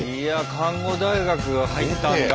看護大学入ったんだ。